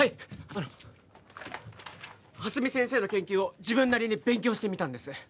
あの蓮見先生の研究を自分なりに勉強してみたんです